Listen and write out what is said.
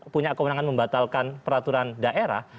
punya kewenangan membatalkan peraturan daerah